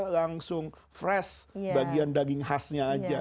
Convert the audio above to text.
langsung fresh bagian daging khasnya aja